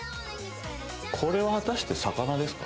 これは果たして魚ですか？